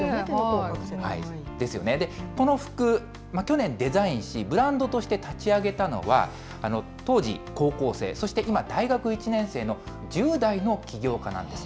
ですよね、この服、去年デザインし、ブランドとして立ち上げたのは、当時、高校生、そして今大学１年生の１０代の起業家なんです。